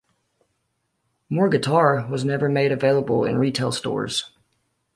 "More Guitar" was never made available in retail stores.